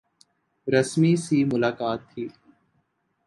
رسمی سی ملاقات تھی۔